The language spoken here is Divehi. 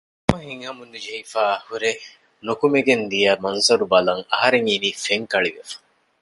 ބައްޕަ ހިތްހަމަނުޖެހިފައިހުރެ ނުކުމެގެންދިޔަ މަންޒަރު ބަލަން އަހަރެން އިނީ ފެންކަޅިވެފަ